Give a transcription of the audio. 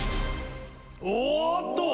おっと！